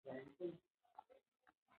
پسه د افغانستان د ښاري پراختیا سبب کېږي.